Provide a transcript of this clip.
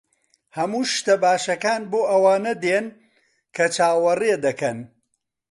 ھەموو شتە باشەکان بۆ ئەوانە دێن کە چاوەڕێ دەکەن.